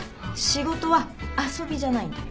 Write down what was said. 仕事は遊びじゃないんで。